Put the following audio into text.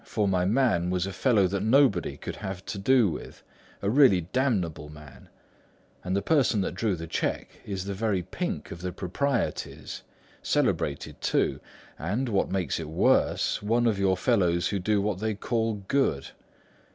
For my man was a fellow that nobody could have to do with, a really damnable man; and the person that drew the cheque is the very pink of the proprieties, celebrated too, and (what makes it worse) one of your fellows who do what they call good.